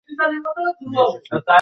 নিয়েছি, স্যার!